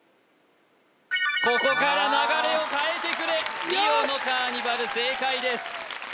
ここから流れを変えてくれリオのカーニバル正解ですよ